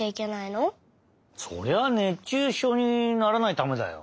そりゃあ熱中症にならないためだよ。